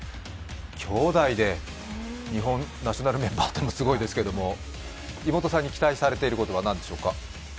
きょうだいでナショナルメンバーというのもすごいですけど妹さんに期待されていることは何でしょうか？